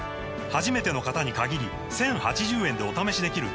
初めての方に限り１０８０円でお試しできるチャンスです